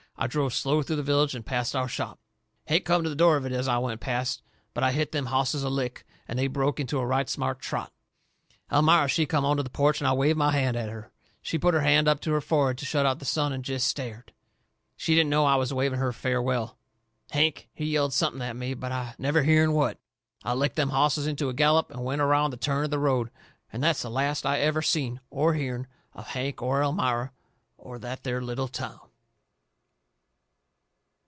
I drove slow through the village and past our shop. Hank come to the door of it as I went past. But I hit them hosses a lick, and they broke into a right smart trot. Elmira, she come onto the porch and I waved my hand at her. She put her hand up to her forehead to shut out the sun and jest stared. She didn't know I was waving her farewell. Hank, he yelled something at me, but I never hearn what. I licked them hosses into a gallop and went around the turn of the road. And that's the last I ever seen or hearn of Hank or Elmira or that there little town.